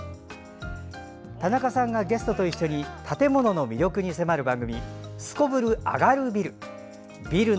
田中さんがゲストと一緒に建物の魅力に迫る番組「すこぶるアガるビル」。